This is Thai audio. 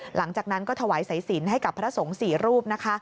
หลังจากนั้นก็ถ่วยใส่สินให้กับพระทัศงศรีรูป